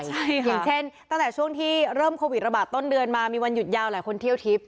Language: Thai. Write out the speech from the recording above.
ใช่อย่างเช่นตั้งแต่ช่วงที่เริ่มโควิดระบาดต้นเดือนมามีวันหยุดยาวหลายคนเที่ยวทิพย์